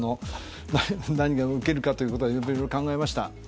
何がうけるかということはいろいろ考えました。